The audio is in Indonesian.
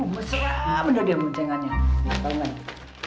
beseram dia muncengannya